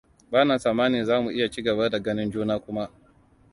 Bana tsammanin za mu iya cigaba da ganin juna kuma.